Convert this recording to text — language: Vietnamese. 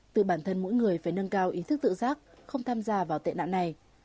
tự bản thân mỗi người phải nâng cao ý thức tự giác không tham gia vào tệ nạn này